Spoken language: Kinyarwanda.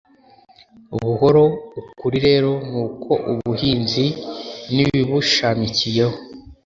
buhoro ukuri rero nuko ubuhinzi n ibibushamikiyeho